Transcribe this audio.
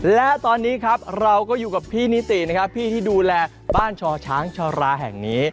และตอนนี้ครับเราก็อยู่กับพี่นิตินะครับพี่ที่ดูแลบ้านช่อช้างชราแห่งนี้